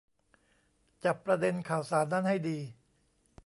จับประเด็นข่าวสารนั้นให้ดี